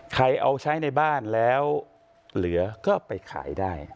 ใครเอาใช้ในบ้านแล้วเหลือก็ไปขายได้